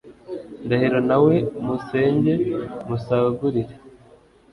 Ndahiro Na we musenge musagurire